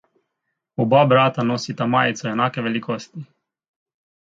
Oba brata nosita majico enake velikosti.